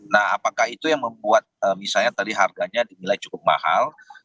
nah apakah itu yang membuat misalnya tadi harganya dinilai cukup mahal